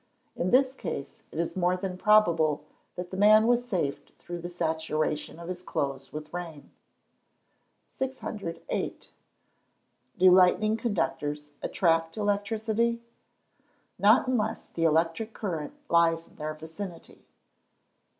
In this case, it is more than probable that the man was saved through the saturation of his clothes with rain. 608. Do lightning conductors "attract" electricity? Not unless the electric current lies in their vicinity.